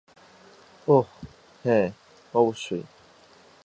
ওহ, হ্যা, অবশ্যই।